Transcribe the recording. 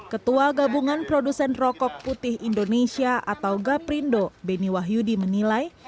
ketua gabungan produsen rokok putih indonesia atau gaprindo beni wahyudi menilai